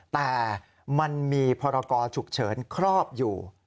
แต่มันมีพรกรฉุกเฉินครอบอยู่